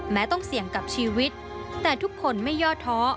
ต้องเสี่ยงกับชีวิตแต่ทุกคนไม่ย่อท้อ